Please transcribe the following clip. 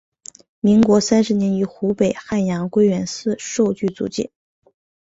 民国三十年于湖北汉阳归元寺受具足戒。